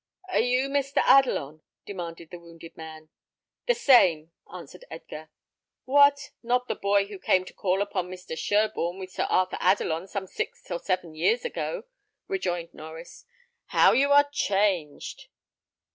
"Are you Mr. Adelon?" demanded the wounded man. "The same," answered Edgar. "What! not the boy who came to call upon Mr. Sherborne, with Sir Arthur Adelon, some six or seven years ago?" rejoined Norries. "How you are changed!"